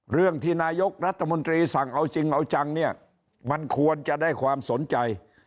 เรื่องที่นายกรัฐมนตรีสั่งเอาจริงเอาจังเนี่ยมันควรจะได้ความสนใจ